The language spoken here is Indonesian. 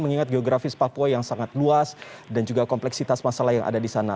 mengingat geografis papua yang sangat luas dan juga kompleksitas masalah yang ada di sana